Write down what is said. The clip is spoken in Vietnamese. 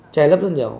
che lấp rất nhiều